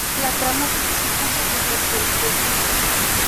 La trama sigue su curso mientras que el Tte.